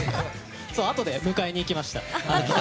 あとで迎えに行きました。